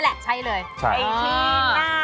คือแกเนี่ยแหละ